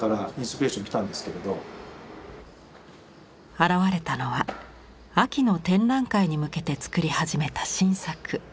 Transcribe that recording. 現れたのは秋の展覧会に向けてつくり始めた新作。